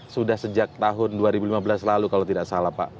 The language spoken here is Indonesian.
sudah sejak tahun dua ribu lima belas lalu kalau tidak salah pak